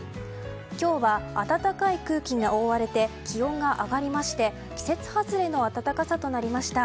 今日は暖かい空気に覆われて気温が上がりまして季節外れの暖かさとなりました。